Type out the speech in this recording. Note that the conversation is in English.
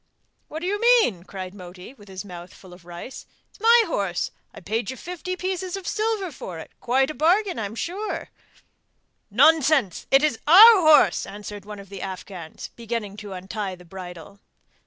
'What do you mean?' cried Moti, with his mouth full of rice, 'it's my horse; I paid you fifty pieces of silver for it quite a bargain, I'm sure!' 'Nonsense! it is our horse,' answered one of the Afghans beginning to untie the bridle.